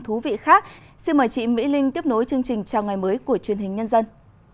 thú vị khác xin mời chị mỹ linh tiếp nối chương trình chào ngày mới của truyền hình nhân dân